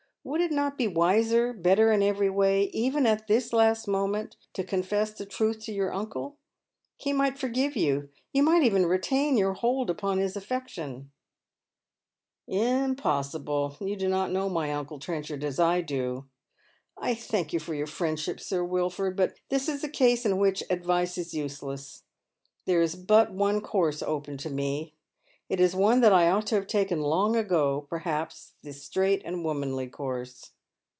Would it not be wiser — better in every way, even at this last moment, to confess the truth to your uncle? He might forgive you. You might even retain your hold upon his alfection." A Wedding Eve. 285 " Impossible. You do not know my uncl» Trenchard as I do. 1 thank you for your friendship, Sir Wilford, but this is a case in which advice is useless. There is but one course open to me. It is one that I ought to have taken long ago, perhaps — the only straight and womanly course.